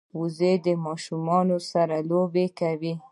وزې د ماشومانو سره لوبې کوي